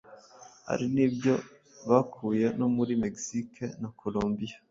hari nibyo bakuye no muri Mexique na Colombia.